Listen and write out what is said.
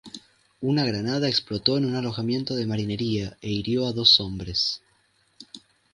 Una granada explotó en un alojamiento de marinería e hirió a dos hombres.